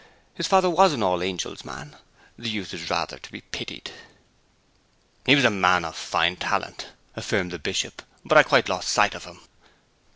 His father was an All Angels' man. The youth is rather to be pitied.' 'He was a man of talent,' affirmed the Bishop. 'But I quite lost sight of him.'